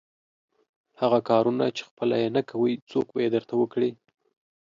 هغه کار چې خپله یې نه کوئ، څوک به یې درته وکړي؟